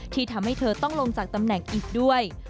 ที่ทำให้เธอต้องลงจากตำแหน่งอีกด้วย